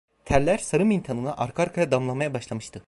Terler sarı mintanına arka arkaya damlamaya başlamıştı.